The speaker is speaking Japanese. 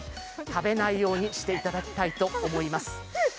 食べないようにしていただきたいと思います。